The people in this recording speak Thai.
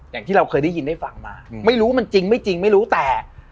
อย่างที่เราเคยได้ยินได้ฟังมาไม่รู้มันจริงไม่จริงไม่รู้แต่